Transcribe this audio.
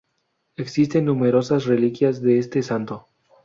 Existen numerosas reliquias de este santo.